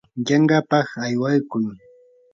yanqapaq aywaykuu.